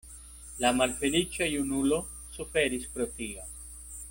La malfeliĉa junulo suferis pro tio.